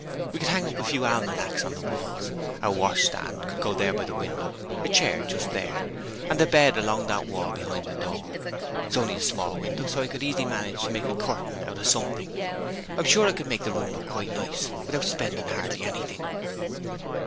We could hang up a few almanacks on the walls; our washstand could go there by the window; a chair just there, and the bed along that wall behind the door. It's only a small window, so I could easily manage to make a curtain out of something. I'm sure I could make the room look quite nice without spending hardly anything.'